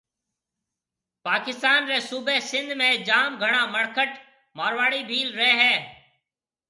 پاڪستان ري صُوبَي سنڌ ۾ جام گھڻا مڙکٽ (مارواڙي ڀيل) رهيَ هيَ